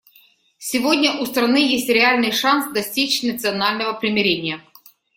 Сегодня у страны есть реальный шанс достичь национального примирения.